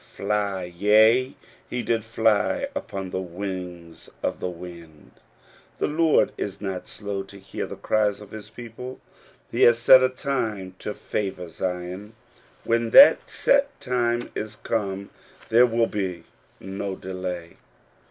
fly : yea, he did fly upon the wings of the wind" r^ The Lord is not slow to hear the cries of his people^ He has set a time to favor Zion, and when that: set time is come there will be no delay.